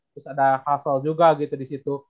terus ada hasel juga gitu disitu